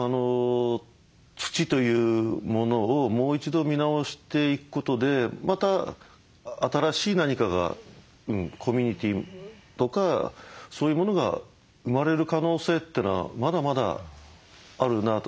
土というものをもう一度見直していくことでまた新しい何かがコミュニティーとかそういうものが生まれる可能性っていうのはまだまだあるなと。